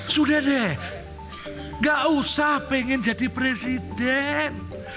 sudah deh gak usah pengen jadi presiden